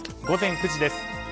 午前９時です。